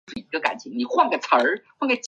柄果柯是壳斗科柯属的植物。